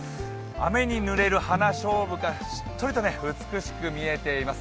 雨にぬれる花菖蒲がしっとりと美しく見えています。